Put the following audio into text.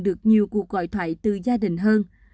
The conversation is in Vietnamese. được nhiều cuộc gọi thoại từ gia đình hơn